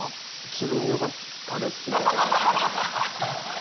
気分よかったですね。